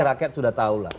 rakyat sudah tahu lah